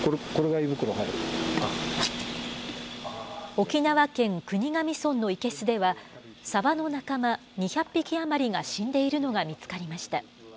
沖縄県国頭村の生けすでは、サバの仲間、２００匹余りが死んでいるのが見つかりました。